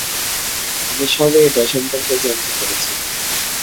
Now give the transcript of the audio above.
আমি সবে এটা সম্পর্কে জানতে পেরেছি।